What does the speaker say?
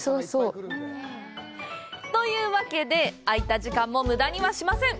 というわけで、あいた時間も無駄にはしません！